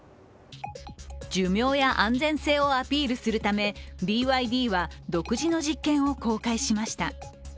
寿命やな安全性をアピールするためＢＹＤは独自の実験を公開しました。